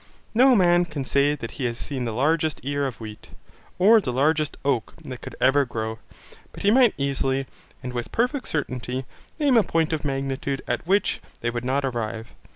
No man can say that he has seen the largest ear of wheat, or the largest oak that could ever grow; but he might easily, and with perfect certainty, name a point of magnitude at which they would not arrive.